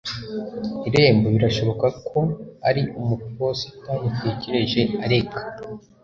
irembo. birashoboka ko ari umuposita, yatekereje, areka